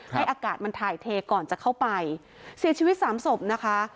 ให้อากาศมันถ่ายเทก่อนจะเข้าไปเสียชีวิตสามศพนะคะ